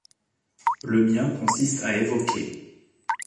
Le mien consiste à évoquer.